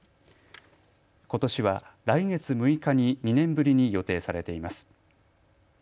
ことしは来月６日に２年ぶりに予定されています。